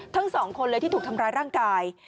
ทั้งสองคนเลยที่ถูกทำร้ายร่างกาย